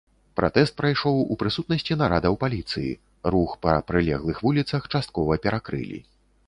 Пратэст прайшоў у прысутнасці нарадаў паліцыі, рух па прылеглых вуліцах часткова перакрылі.